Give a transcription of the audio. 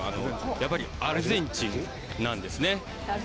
やっぱりアルゼンチンなんですね。